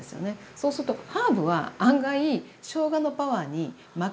そうするとハーブは案外しょうがのパワーに負けて。